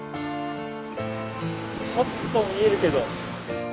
ちょっと見えるけど。